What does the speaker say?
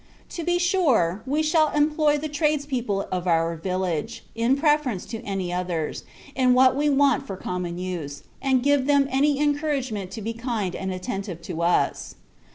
To be sure, we shall employ the trades people of our village, in preference to any others, in what we want for common use, and give them every encouragement to be kind and attentive to us.